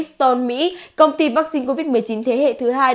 phẩm gibson mỹ công ty vắc xin covid một mươi chín thế hệ thứ hai